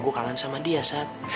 gua kangen sama dia sat